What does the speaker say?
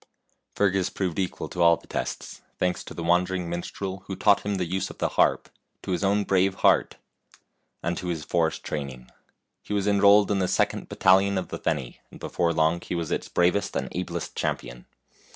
Fergus proved equal to all the tests, thanks to the wandering minstrel who taught him the use of the harp, to his own brave heart, and to his 84 FAIRY TALES forest training. He was enrolled in the second battalion of the Feni, and before long he was its bravest and ablest champion.